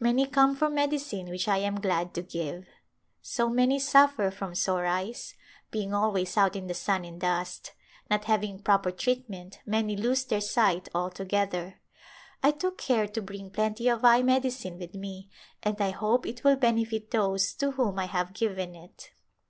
Many come for medicine which I am glad to give. So many suffer from sore eyes, being always out in the sun and dust ; not having proper treatment many lose their sight altogether. I took care to bring plenty of eye medicine with me and I hope it will benefit those to whom I have given it.